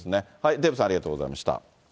デーブさん、ありがとうございました。